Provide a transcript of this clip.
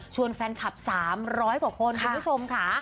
แฟนคลับ๓๐๐กว่าคนคุณผู้ชมค่ะ